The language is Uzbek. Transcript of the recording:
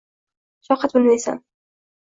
Shafqat bilmaysan.